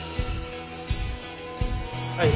はい。